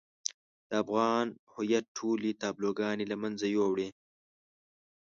د افغان هويت ټولې تابلوګانې له منځه يوړې.